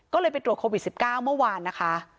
ก็เลยไปตรวจโควิด๑๙เมื่อวานนะคะ